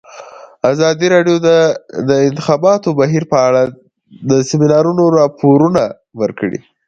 ازادي راډیو د د انتخاباتو بهیر په اړه د سیمینارونو راپورونه ورکړي.